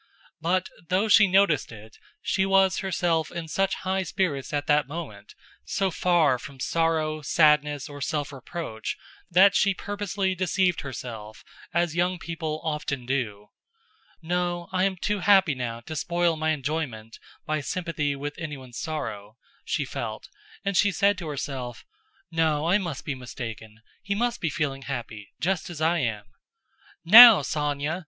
But, though she noticed it, she was herself in such high spirits at that moment, so far from sorrow, sadness, or self reproach, that she purposely deceived herself as young people often do. "No, I am too happy now to spoil my enjoyment by sympathy with anyone's sorrow," she felt, and she said to herself: "No, I must be mistaken, he must be feeling happy, just as I am." "Now, Sónya!"